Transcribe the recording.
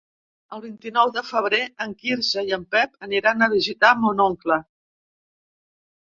El vint-i-nou de febrer en Quirze i en Pep aniran a visitar mon oncle.